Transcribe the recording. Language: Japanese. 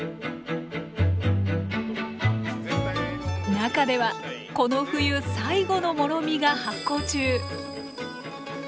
中ではこの冬最後のもろみが発酵中。